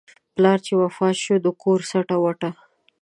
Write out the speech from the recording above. پلار چې وفات شو، د کور سټه ووته.